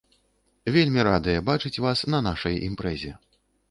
Вельмі радыя бачыць вас на нашай імпрэзе.